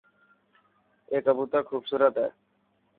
اي ڪبوتر خوبسورت هي.